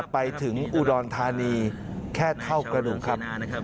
ไปถึงอุดรธานีแค่เท่ากระดูกครับ